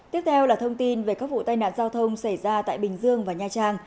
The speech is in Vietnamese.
tiếp theo là thông tin về các vụ tai nạn giao thông xảy ra tại bình dương và nha trang